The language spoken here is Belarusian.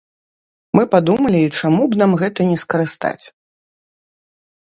Мы падумалі, чаму б нам гэта не скарыстаць.